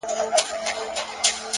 د فکر عادتونه سرنوشت جوړوي’